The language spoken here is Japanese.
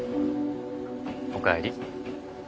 おかえり。